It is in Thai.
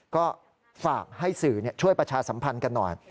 ก็ฝากให้สื่อช่วยประชาสัมพันธ์กันหน่อย